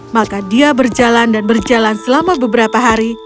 maka dia berjalan dan berjalan selama beberapa hari